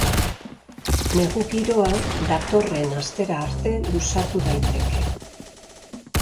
Negu giroa datorren astera arte luzatu daiteke.